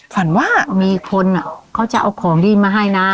ฝันว่ามีคนเขาจะเอาของดีมาให้นะ